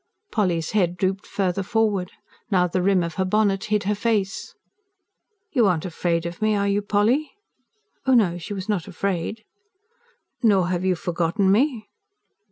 Polly's head drooped further forward; now, the rim of her bonnet hid her face. "You aren't afraid of me, are you, Polly?" Oh, no, she was not afraid. "Nor have you forgotten me?"